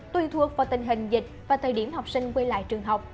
tùy thuộc vào tình hình dịch và thời điểm học sinh quay lại trường học